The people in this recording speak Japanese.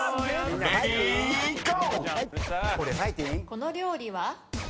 この料理は？